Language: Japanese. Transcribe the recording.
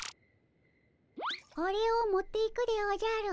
これを持っていくでおじゃる。